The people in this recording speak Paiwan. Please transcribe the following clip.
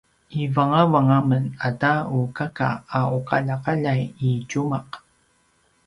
ivangavang a men ata u kaka a uqaljaqaljai i tjumaq